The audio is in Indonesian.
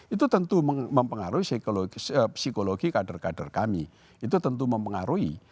itu tentu mempengaruhi psikologi kader kader kami itu tentu mempengaruhi